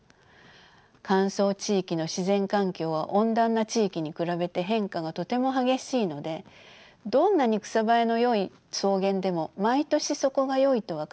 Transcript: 乾燥地域の自然環境は温暖な地域に比べて変化がとても激しいのでどんなに草生えのよい草原でも毎年そこがよいとは限りません。